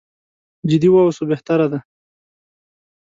جدي واوسو بهتره ده.